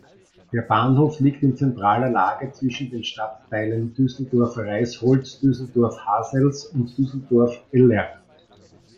Der Bahnhof liegt in zentraler Lage zwischen den Stadtteilen Düsseldorf-Reisholz, Düsseldorf-Hassels und Düsseldorf-Eller.